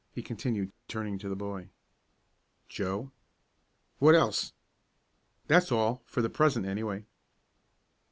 he continued, turning to the boy. "Joe." "What else?" "That's all, for the present, anyway."